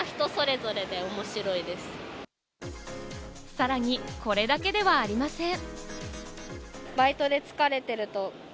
さらに、これだけではありません。